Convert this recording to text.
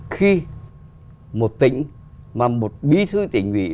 khi một tỉnh mà một bí thư tỉnh nguyễn